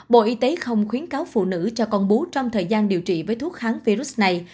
bộ y tế không khuyến cáo phụ nữ cho con bú trong thời gian điều trị với thuốc kháng virus này